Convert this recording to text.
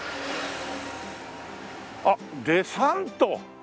あっデサント！